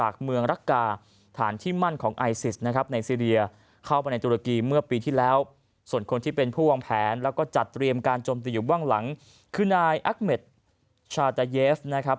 เข้าไปในตุรกีเมื่อปีที่แล้วส่วนคนที่เป็นผู้วางแผนแล้วก็จัดเตรียมการจมติอยู่ว่างหลังคือนายอัคเมดชาตาเยฟนะครับ